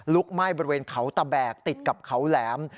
ไหม้บริเวณเขาตะแบกติดกับเขาแหลม